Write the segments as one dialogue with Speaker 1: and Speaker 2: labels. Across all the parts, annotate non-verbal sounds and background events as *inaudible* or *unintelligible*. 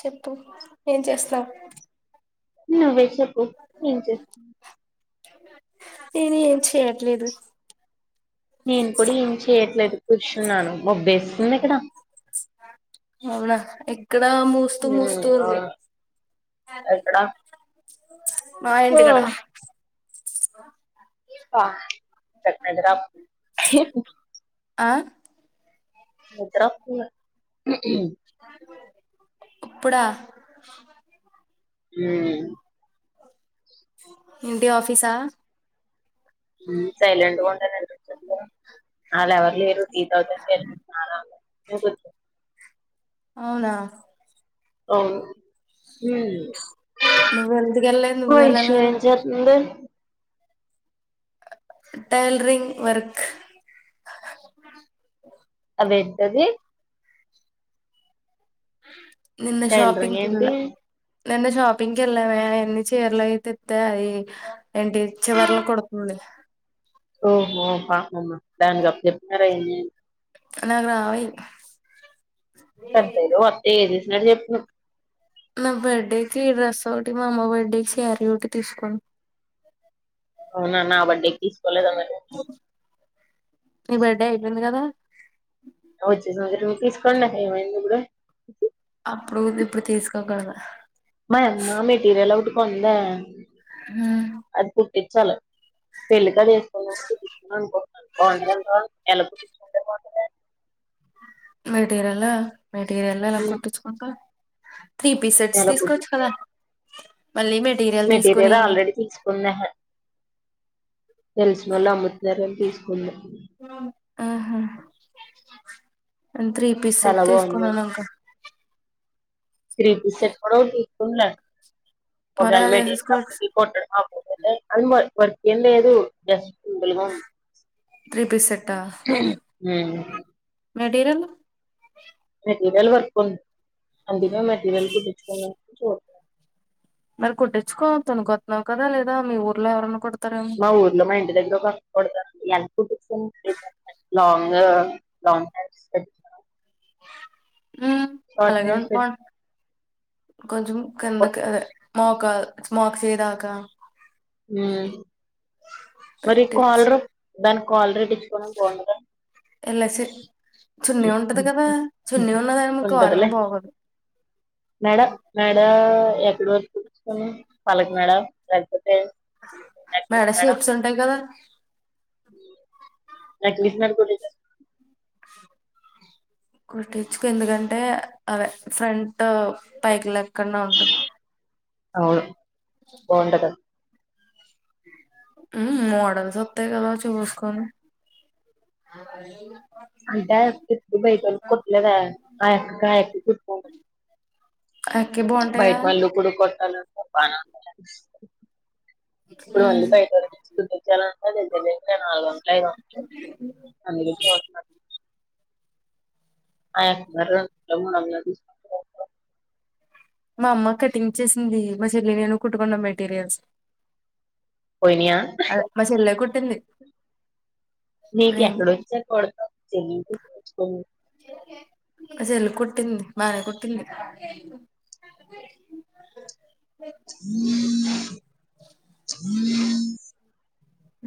Speaker 1: చెప్పు ఏం చేస్తున్నావు
Speaker 2: నువ్వే చెప్పు ఏం చేస్తు
Speaker 1: నేను ఏం చేయట్లేదు
Speaker 2: నేను కూడా ఏం చెయట్లేదు కూర్చున్నాను మబ్బేస్తుంది ఎక్కడ
Speaker 1: అవునా ఎ ఇక్కడ మూస్తూ
Speaker 2: ఉమ్
Speaker 1: మూస్తూ ఉంది
Speaker 2: అవును ఎక్కడ
Speaker 1: మా
Speaker 2: ఓ
Speaker 1: ఇంటి కాడ
Speaker 2: ఆ చెప్పాడు గా
Speaker 1: ఆ
Speaker 2: నిద్ర వస్తంది
Speaker 1: ఇప్పుడా
Speaker 2: ఉమ్
Speaker 1: ఏంటి ఆఫీసా
Speaker 2: సైలెంట్ గ ఉంటానని ఎందుకు చేప్పావ్ వాళ్ళు ఎవరు లేరు టీ తాగడానికి వెళ్ళారు రాలా
Speaker 1: అవునా
Speaker 2: అవును ఉమ్
Speaker 1: నువ్వు ఎందుకు వెళ్ళలేదు నువ్వు
Speaker 2: ఉఫ్
Speaker 1: వెళ్ళాలి కదా
Speaker 2: ఎం చేస్తన్నారు
Speaker 1: టైలరింగ్ వర్క్
Speaker 2: ఎంటది
Speaker 1: నిన్న
Speaker 2: టైలరింగ్
Speaker 1: షోపింగ్ కి వెళ్ళ
Speaker 2: ఏంటి
Speaker 1: నిన్న షోపిింగ్ కి వెళ్ల మేఅవి అన్ని చీరలు అయి తెత్తె అయి ఎంటి చివరల కుడతుంది
Speaker 2: ఓహో పాపమ్మా దానికి అప్ చెప్తారా ఏమి
Speaker 1: నాకు రావయ్
Speaker 2: *inaudible*
Speaker 1: నా బర్త్డేకి డ్రెస్ ఒకటి మా అమ్మ బర్త్డేకి శారీ ఒకటి తీసుకోం
Speaker 2: అవునా నా బర్త్డే కి తీసుకోలేదా మరి
Speaker 1: నీ బర్త్డే అయిపోంది కదా
Speaker 2: తీస్కొనరా ఏమైయింది ఇపుడు
Speaker 1: ప్పు ఇప్పుడు ఇప్పుడు తీసుకోకుడదు
Speaker 2: మా యమ్మ మెటీరియల్ ఒకటి కొందే
Speaker 1: హ్మ్
Speaker 2: ఇచ్చాలి పెళ్ళికది ఏసుకొని అనుకుంటున్నాను బావుంటదంటవ ఎలా కుట్టించుకుంటే బావుంటదే
Speaker 1: మెటీరియల్ మెటీరియల్ ఎలా
Speaker 2: ఉమ్
Speaker 1: కుట్టిచ్చుకుంట త్రీ పీసెట్స్
Speaker 2: ఎలా
Speaker 1: తీసుకోవచ్చు
Speaker 2: కుట్టిస్తే
Speaker 1: కదా మళ్ళీ తీసుకుని
Speaker 2: మెటీరియల్ ఆల్రెడీ తీసుకుందెహే తెలిసినోళ్లు అమ్ముతున్నారు అని తీసుకుంది
Speaker 1: ఉ హ్మ్ నేన్ త్రీ
Speaker 2: చాలా
Speaker 1: పీసెట్
Speaker 2: బాగుంది
Speaker 1: తీసుకున్నా లన్కున్
Speaker 2: త్రీ పీస్ సెట్ కూడా ఒకటి తీసుకున్న *inaudible*
Speaker 1: మరి అది వేసేసుకోవచ్చు
Speaker 2: అంవర్క్ అ వర్క్ ఏం లేదు ఎస్
Speaker 1: త్రీ పీస్ సెట్టా మెటీరియల్
Speaker 2: మెటీరియల్ వర్క్ ఉంది అందుకే మెటీరియల్ కుట్టించున్ చూ
Speaker 1: మరి కుట్టిచుకో తను కొతున్నావు కదా మీ ఊర్లో ఎవరైన్నా కొ
Speaker 2: మా ఊర్లో మా ఇంటి దగ్గర ఒక అక్క కడతానంది *inaudible* లాంగ్ లాంగ్ హాండ్స్
Speaker 1: ఉ అలాగే ఉండిపో కొంచం కిందకి మోకా మొకసేయ్ దాకా
Speaker 2: హ్మ్ మరి
Speaker 1: పెట్టించి
Speaker 2: కోలరు దాని కాలర్ ఎట్టుచ్చుకోవడానికి బాగోదా
Speaker 1: ఎలసి చున్నీ ఉంటది కదా చున్నీ ఉన్నదని మీకు కాలరు
Speaker 2: ఉంటదిలే
Speaker 1: బాగోదు
Speaker 2: మెడ మెడా ఎక్కడ వరకు కుట్టించుకోను పల్లకి మెడ
Speaker 1: మెడ షేప్స్ ఉంటాయి కదా
Speaker 2: నాకు మెషిన్ *inaudible*
Speaker 1: కుట్టించుకో ఎందుకంటే అవే ఫ్రంట్ పైకి లె క్కన్నా ఉంట
Speaker 2: అవును బాగుంటది
Speaker 1: హ్మ్ మోడల్ సత్తే కదా చూసుకొని
Speaker 2: అంటే ఆ యక్క ఎక్కువ బయటోళ్ళకి కుట్లేదే ఆ ఎక్కకి ఆ యక్కే కుట్టుకుంటుంది
Speaker 1: అక్కి
Speaker 2: బయట
Speaker 1: బాగుంటాయా
Speaker 2: వాళ్ళు కూడా కొట్టాల బ ఇప్పుడు
Speaker 1: ఉమ్
Speaker 2: మళ్ళి బయటోళ్ళకి తెచ్చి కుట్టిచ్చాలన్నా దగ్గర దగ్గర నాలుగు వందలు ఐదు వందలైద్ది అందుకె చూత్న *inaudible*
Speaker 1: మా అమ్మ కటింగ్ చేసింది మా చెల్లి నేను కుట్టుకున్నాం మెటీరియల్స్
Speaker 2: పోయినాయా
Speaker 1: అద మ చెల్ల కుటింది
Speaker 2: నీకెక్కడోచ్ *inaudible*
Speaker 1: చెల్లి కొట్టింది బానే కొట్టింది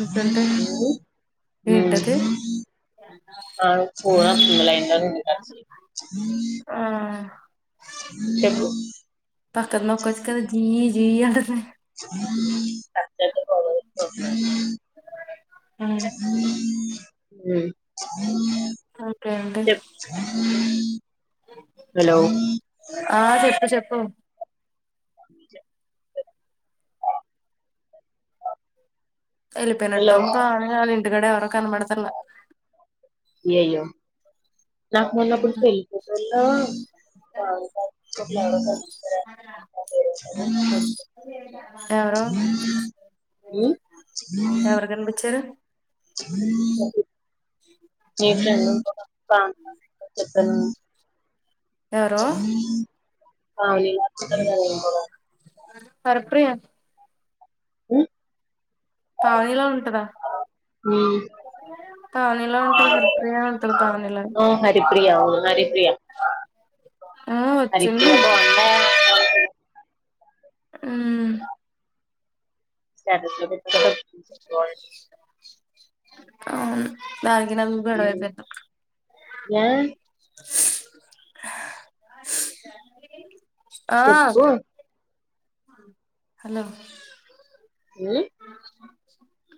Speaker 1: ఇంకేంటి
Speaker 2: హ్మ్
Speaker 1: ఏంటది
Speaker 2: ఆ ఫోన్ లైన్లో ఉది
Speaker 1: ఆ
Speaker 2: చెప్పు
Speaker 1: పక్కన్నోకొచ్ కదా జీ జీ అంటది
Speaker 2: *unintelligible*
Speaker 1: హ్మ్ ఇంకేంటి
Speaker 2: చెప్
Speaker 1: ఆ చెప్పు చెప్పు
Speaker 2: హలో
Speaker 1: వెళ్లిపోయినట్టుంది పా నింటికాడ ఎవర కనబడతన్ల
Speaker 2: ఏయ నక్ మొన్న పెళ్లి ఫోటోలో *unintelligible*
Speaker 1: ఎవరు ఎవరు కనిపిచ్చారు
Speaker 2: *inaudible*
Speaker 1: ఎవరో
Speaker 2: *inaudible*
Speaker 1: హరిప్రియ
Speaker 2: హ్మ్
Speaker 1: తానీలా ఉంటదా
Speaker 2: ఉమ్
Speaker 1: *inaudible* పానీలా ఉంటంది హరిపయ ఉంటంది పావనీలా
Speaker 2: ఆ హరిప్రియ అవును హరిప్రియ
Speaker 1: ఉమ్
Speaker 2: హరిప్రియ
Speaker 1: ఒచ్చింది.
Speaker 2: బాగుందా
Speaker 1: ఉమ్
Speaker 2: *inaudible*
Speaker 1: అవును దానికి నాకు గొడవపోయిందప్పుడు
Speaker 2: ఏ
Speaker 1: *inaudible* ఆ
Speaker 2: చెప్పు
Speaker 1: హలో!
Speaker 2: ఉమ్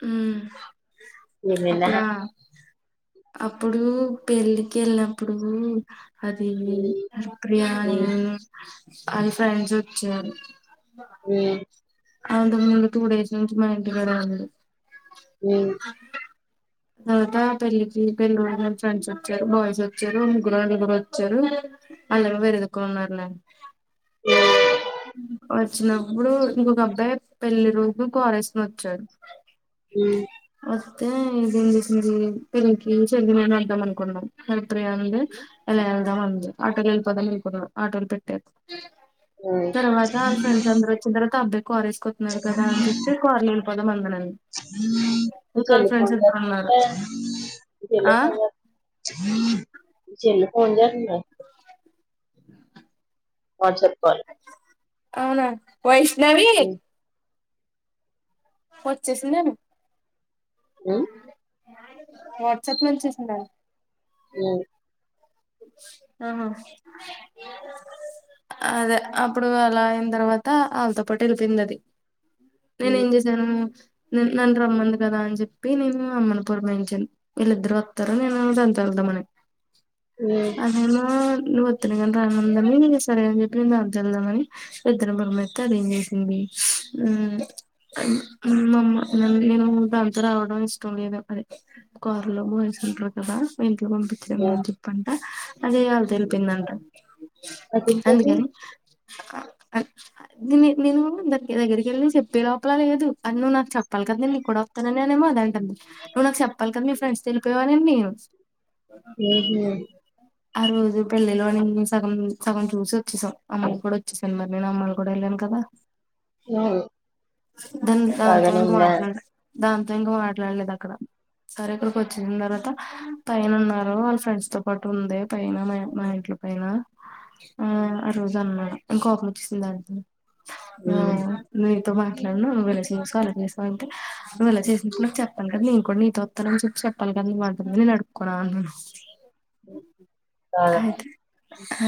Speaker 1: ఉమ్
Speaker 2: ఏమైంది ఆహా
Speaker 1: అప్పుడా అప్పుడు పెళ్ళికెలనప్పుడు అది
Speaker 2: ఉమ్
Speaker 1: బిర్యానీ
Speaker 2: ఉమ్
Speaker 1: అది ఫెండ్స్ వచ్చారు
Speaker 2: ఆ
Speaker 1: అంతకు ముందు టూ డేస్ నుంచి మా ఇంటికాడె ఉంది.
Speaker 2: *inaudible*
Speaker 1: అ త పెళ్ళికి పెళ్ళ ఫ్రెండ్స్ వచ్చారు బాయ్స్ వచ్చారు ముగ్గురు అళ్ కూడా వచ్చారు అలాగ వేరేద *inaudible* వచ్చినప్పుడు ఇంకొక అబ్బాయి పెళ్లి రోజులు కోరేస్కొని ఒచ్చాడు
Speaker 2: ఉమ్
Speaker 1: అయితే ఇదేం చేసింది పిల్లకి చదివి మని అందాం అనుకున్నాం ఇప్పుడు అంది ఎలా వెళ్దాం అంది ఆటోకే వెళ్ళపోదాం అనుకున్న ఆటోలు పెట్టరు
Speaker 2: ఉమ్
Speaker 1: తర్వాత వాళ్ ఫ్రెండ్స్ అందరు వచ్చిన తర్వాత అబ్బాయి క్వార్ వేసుకతున్నారు కదా అని చెప్పి కార్ వెళ్ళిపోదాం అందరంని
Speaker 2: *inaudible* మీ చెల్లు
Speaker 1: ఆ
Speaker 2: ఫోన్ చేతంది వాట్సాప్ కాల్
Speaker 1: అవునా వైష్ణవి
Speaker 2: ఉమ్
Speaker 1: వొచ్చేసిందేమో
Speaker 2: ఉమ్
Speaker 1: వాట్సాప్ లో చేసిందాండి
Speaker 2: ఉమ్
Speaker 1: ఆహా!? అదే అప్పుడు అలా అయిన తర్వాత వాళ్ళతో పాటు వెళ్ళిపోయింది అది నేను
Speaker 2: ఉమ్
Speaker 1: ఏం చేస్త నన్నురమ్మంది కదా అని చెప్పి నేను అమ్మను పూరమాయించాను వీళ్ళిద్దరు వత్తారు నేను నేను తనతో వెళ్దామని
Speaker 2: ఉమ్
Speaker 1: అదేమో నువ్వు ఒత్తేనేగాని రానుందని సరే అని చెప్పి నేను దానితో వెళ్దామని ఇద్దరినీ పురమా ఇత్తే అది ఏమ్ చేసింది ఉమ్ మమ్మ నేను దాంతా రావడం ఇష్టం లేదు అది కార్లో బ ఇంట్లో కదా ఇంట్లో పంపించమ్
Speaker 2: యా
Speaker 1: అని చెప్పంట అదే వాళ్ళతో వెళ్ళిపోయిందంట
Speaker 2: అదేం కర్రీ
Speaker 1: అందుకని నేను దానికి దగ్గరికి వెళ్ళి చెప్పేలా చెప్పలేదు అ నవ్వు నాకు చెప్పిదా నంీ ఇ కూడాడ వస్తాననేమో అదంటం నవ్వు నాకు చెప్పి కదా మీ ఫ్రెండ్స్ తెలిపోయేవ *unintelligible* అ *unintelligible*
Speaker 2: ఉ *unintelligible*
Speaker 1: ఆ రోజు పెళ్ళిలో అని సగం సగం చూసి వచ్చేసాం అమ్మకి కూడా వచ్చేసాను మరి నేను అమ్మలు కూడా వెళ్ళ కదా
Speaker 2: ఆవు *unintelligible*
Speaker 1: దాని దాంతో ఇంకా మాట్లాడ దాంతో ఇంకా మాట్లాడలేదు అక్కడ సరే ఇక్కడికి వచ్చిన తర్వాత పైన ఉన్నారు వాళ్ళ ఫ్రెండ్స్ తో పాటు ఉంది పైన మా మా ఇంట పైన ఆ ఆ రోజు అన్నా ఇంకోకలి వచ్చసిలా *unintelligible* ఆ
Speaker 2: ఉమ్
Speaker 1: నీ తో మ నువ్వు ఇలా చేసావు అలా చేసావు అంటే నువ్వు అలా చేసినప్పుడు నాకు చెప్పాలి కదా నేను కూడా నీతో వత్తా అని చెప్పి చెప్పాలి నీ మాట మీద నే నడుపు కోర అన్నాను
Speaker 2: ఆ
Speaker 1: అయితే ఆ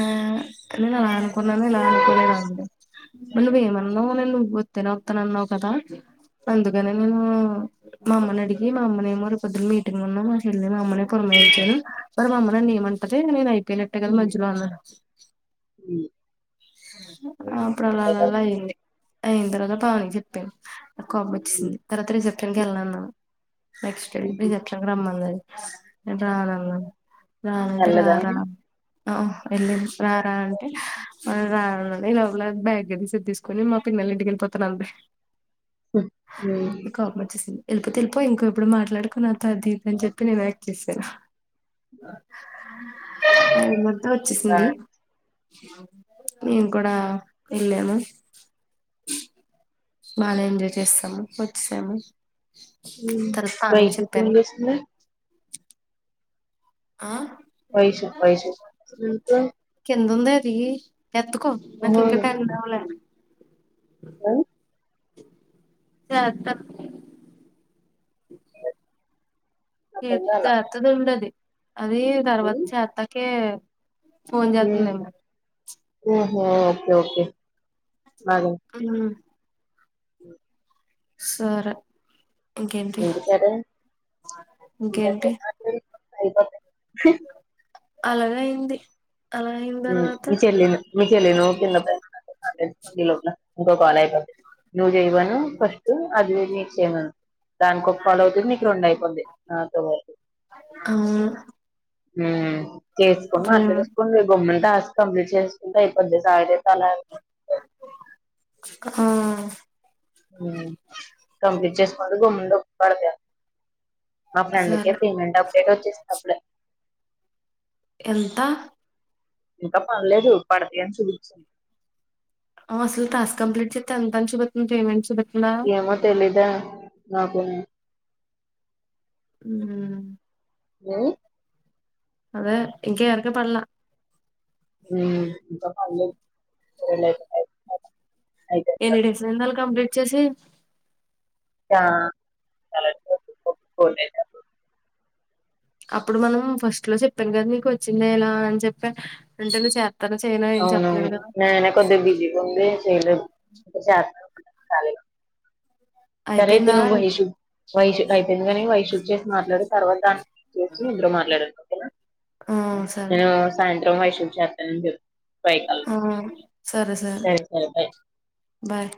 Speaker 1: నేను అలా అనుకున్నాను ఇలా అనుకోలేదా అండి *unintelligible* మరి నువ్వేమన్నావు నేను నువ్వు వత్తెనే వత్త న్నావు కదా అందుకనే నేమో మా అమ్మని అడిగి మా అమ్మనేమో రేపొద్దు మీటింగ్ ఉన్నా మా చెల్లి మా అమ్మనే పురమా ఏంచయను మరి మమ్మ నన్ను ఏమంటది నేను అయిపోయినట్టే కదా
Speaker 2: ఉంది
Speaker 1: మధ్యలో అన్నాను
Speaker 2: ఉమ్
Speaker 1: ఆ అప్పుడు అలా
Speaker 2: అంతేగా
Speaker 1: అలాలా అయింది అయిన తర్వాత పావనికి చెప్పాను నాకు కోపం
Speaker 2: ఉమ్
Speaker 1: వచ్చేసింది తర్వాత రిసెప్షన్కి వెళ్ళాన్నాను నెక్స్ట్ డే
Speaker 2: ఉహు
Speaker 1: రిసెప్షన్ కి రమ్మందది నేను రానన్న రానంటే రా
Speaker 2: తెల్లదా
Speaker 1: రా
Speaker 2: ఉమ్
Speaker 1: ఆ వెళ్ళింది రా రా అంటే ఇలా బ్యాగ్ తీసి తీసుకని మా పిన్ని ఇంటికి వెల్లిపోతంది *unintelligible* నంది
Speaker 2: ఉమ్
Speaker 1: కోపమొచ్చేసింది తెలిపో తెలిపో ఇంకో ఎప్పుడు మాట్లాడకు నాతో అని తీర్పు నేను యాక్ట్ చేశాను అది మొత్తం
Speaker 2: బా
Speaker 1: వచ్చేసింది మేం కూడా వెళ్ళాము బాగానే ఎంజాయ్ చేస్తాము వచ్చేసాము
Speaker 2: ఉం
Speaker 1: తర్వాత పావనికి
Speaker 2: వైషు ఫోన్
Speaker 1: చెప్పాను
Speaker 2: చేస్తుంది
Speaker 1: ఆ
Speaker 2: వై శు వై షు ఎందుకు
Speaker 1: తీ ఎత్తుకో నాకు ఇంకా తండ్రి అవలే
Speaker 2: ఆ
Speaker 1: చేత్త ఇ
Speaker 2: అర్థం కాలా
Speaker 1: అతది ఉండది *unintelligible* అది తర్వాత
Speaker 2: ఉమ్
Speaker 1: చేత్తకే ఫోన్ చేత్తంది ఏమో
Speaker 2: ఆ ఓకే ఓకే
Speaker 1: ఉం
Speaker 2: ఉం
Speaker 1: సరే ఇంకేంటి
Speaker 2: *unintelligible*
Speaker 1: ఇంకేంటి
Speaker 2: అయిపోతే
Speaker 1: అలాగే అయింది అలా అయిన తర్వాత
Speaker 2: మీ చెల్లి మీ చెల్లి నో కింద బ ఈ లోపల ఇంకో కాల్ అయిపోద్ది నువ్వు జైవను ఫస్ట్టు అదివి మీకు చేయమను దానికి ఒక కాల్ అవుతుంది మీకు రెండు అయిపోద్ది నాతో పాటు
Speaker 1: అవును
Speaker 2: హ్మ్ చేసుకోని
Speaker 1: ప్రేమ
Speaker 2: మాట్లాడేసుకోండి గమ్మున టాస్క్ కంప్లీట్ చేసుకుంటే అయిపోద్ది *unintelligible*
Speaker 1: ఆ
Speaker 2: కంప్లీట్ చేసుకుంటే గమ్మున డబ్బులు పడతాయి మా ఫ్రెండ్కే
Speaker 1: సరే
Speaker 2: పేమెంట్ అప్డేట్ వచ్చేసింది అప్పుడే
Speaker 1: ఎంత
Speaker 2: ఇంకా పడలేదు పడతయని చూపించ
Speaker 1: అసలు టాస్క్ కంప్లీట్ చేత్తే ఎంతని చుపిత్తంది పేమెంట్ చూపి
Speaker 2: ఏమో తెలీదా నాకూని
Speaker 1: హ్మ్
Speaker 2: హ్మ్
Speaker 1: అదే ఇంక ఎవరికి పడలా
Speaker 2: ఇంకా పడలేదు
Speaker 1: ఎన్ని డేస్ అయింది ఆళ్ళు కంప్లీట్ చేసి
Speaker 2: చ *unintelligible* ఒప్పుకోలేదు
Speaker 1: అప్పుడు మనం ఫస్ట్ లో చెప్పాం కదా నీకు వచ్చిందా ఎలా అని చెప్పి వెంటనే
Speaker 2: అవునవును నేనే కొద్దిగా బిజీ గుండి చేయలేం చేద్దాం కాల్ సరే అయితే
Speaker 1: అయిపోయిందా
Speaker 2: నువ్వు వైషు వైషు అయిపోయింది గాని వైషు కి చేసి మాట్లాడు తర్వాత చేసి ఇద్దరు మాట్లాడండి
Speaker 1: ఆ సరే
Speaker 2: ఆ సాయంత్రం వైషు కి చేత్తానని చెప్పు ఫైవ్ కల్లా.
Speaker 1: ఆ సరే సరే బాయ్